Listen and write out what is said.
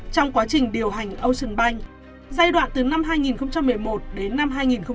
trong quá trình điều hành ocean bank giai đoạn từ năm hai nghìn một mươi một đến năm hai nghìn một mươi bảy